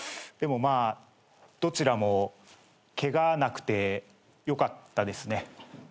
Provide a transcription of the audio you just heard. でもまあどちらもけがなくてよかったですね。